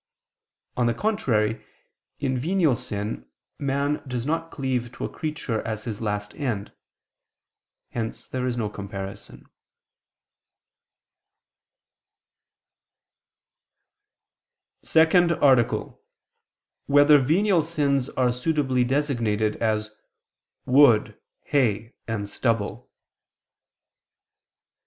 On the contrary, in venial sin, man does not cleave to a creature as his last end: hence there is no comparison. ________________________ SECOND ARTICLE [I II, Q. 89, Art. 2] Whether Venial Sins Are Suitably Designated As "Wood, Hay, and Stubble"?